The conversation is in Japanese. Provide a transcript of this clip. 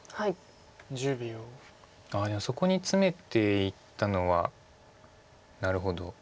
ああそこにツメていったのはなるほど。